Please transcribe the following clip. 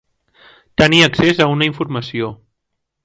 Tenir accés a una informació.